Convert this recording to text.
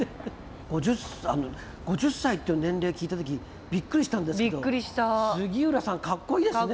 ５０歳っていう年齢聞いた時びっくりしたんですけど杉浦さんカッコいいですね。